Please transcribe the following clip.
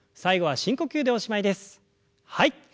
はい。